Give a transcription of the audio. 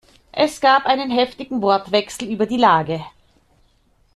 Es gab einen heftigen Wortwechsel über die Lage.